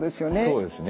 そうですね。